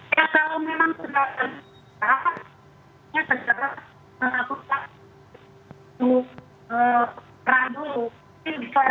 kalau memang gejala batuk